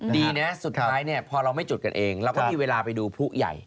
ดีนะสุดท้ายเนี่ยพอเราไม่จุดกันเองเราก็มีเวลาไปดูผู้ใหญ่